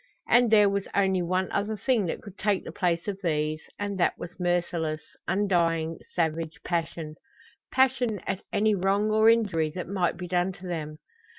And there was only one other thing that could take the place of these, and that was merciless, undying, savage passion passion at any wrong or injury that might be done to them.